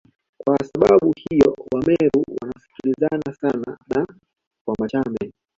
Kwa sababu hiyo Wameru wanasikilizana sana na Wamachame